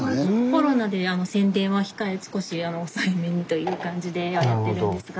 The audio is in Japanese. コロナで宣伝は少し抑えめにという感じでやってるんですが。